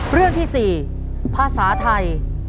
เรื่องที่๔ภาษาไทย